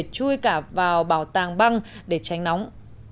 chui cả vào bảo tàng băng để tránh nóng